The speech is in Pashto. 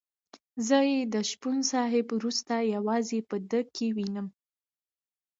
زه یې د شپون صاحب وروسته یوازې په ده کې وینم.